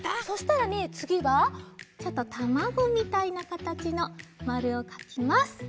そしたらねつぎはちょっとたまごみたいなかたちのまるをかきます。